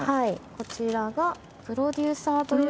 こちらがプロデューサーという事で。